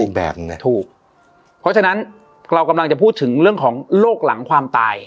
อีกแบบหนึ่งถูกเพราะฉะนั้นเรากำลังจะพูดถึงเรื่องของโรคหลังความตาย